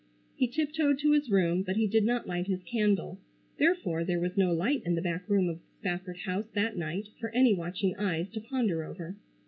He tiptoed to his room but he did not light his candle, therefore there was no light in the back room of the Spafford house that night for any watching eyes to ponder over.